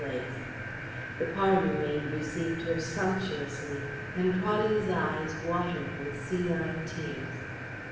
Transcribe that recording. The parlour maid received her sumptuously, and Praddy's eyes watered with senile tears.